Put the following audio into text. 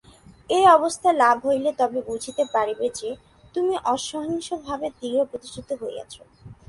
এই অবস্থা লাভ হইলে তবে বুঝিতে পারিবে যে, তুমি অহিংসভাবে দৃঢ়প্রতিষ্ঠিত হইয়াছ।